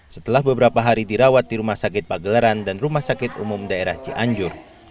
setelah beberapa hari dirawat di rumah sakit pagelaran dan rumah sakit umum daerah cianjur